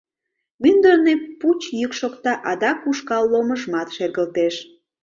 Мӱндырнӧ пуч йӱк шокта, адак ушкал ломыжмат шергылтеш...